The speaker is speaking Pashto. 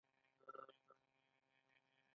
د تخار باغونه بادام لري.